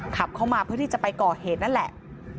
ขับเข้ามาเพื่อที่จะไปก่อเหตุนั่นแหละ